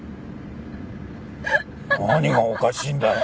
何がおかしいんだよ？